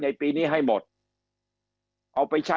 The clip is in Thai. คำอภิปรายของสอสอพักเก้าไกลคนหนึ่ง